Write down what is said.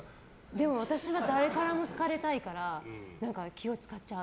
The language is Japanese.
でも、私は誰からも好かれたいから気を使っちゃう。